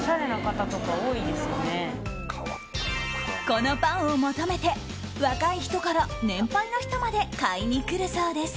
このパンを求めて若い人から年配の人まで買いに来るそうです。